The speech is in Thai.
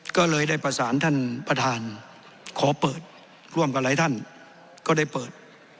ก็เลยได้ประสานท่านประธานขอเปิดร่วมกับหลายท่านก็ได้เปิด